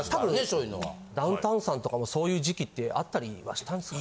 ダウンタウンさんとかもそういう時期ってあったりはしたんですかね？